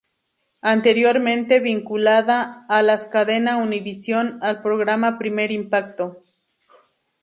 Anteriormente vinculada a la cadena Univision, al programa Primer Impacto.